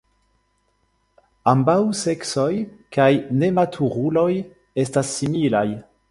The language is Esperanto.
Ambaŭ seksoj kaj nematuruloj estas similaj.